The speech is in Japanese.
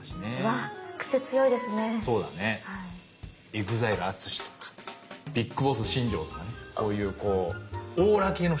ＥＸＩＬＥＡＴＳＵＳＨＩとかＢＩＧＢＯＳＳ新庄とかねそういうこうオーラ系の人かもしんないね。